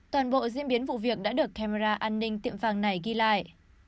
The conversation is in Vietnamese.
toàn bộ diễn biến vụ việc đã được camera an ninh tiệm vàng này ghi lại